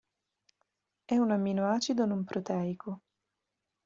È un amminoacido non proteico.